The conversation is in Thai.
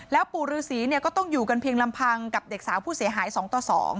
ปู่ฤษีก็ต้องอยู่กันเพียงลำพังกับเด็กสาวผู้เสียหาย๒ต่อ๒